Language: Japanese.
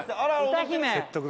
歌姫。